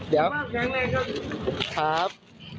เดี๋ยวครับ